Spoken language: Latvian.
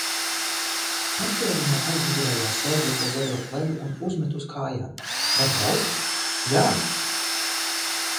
Paķēru no aizmugurējā sēdekļa zaļo pledu un uzmetu uz kājām. Var braukt? Jā!